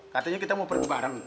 katanya kita mau pergi bareng